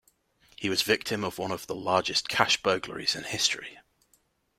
He was victim of one of the largest cash burglaries in history.